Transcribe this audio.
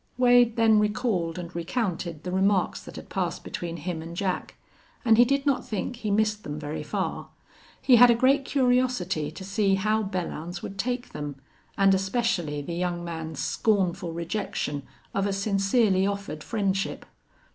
Wade then recalled and recounted the remarks that had passed between him and Jack; and he did not think he missed them very far. He had a great curiosity to see how Belllounds would take them, and especially the young man's scornful rejection of a sincerely offered friendship.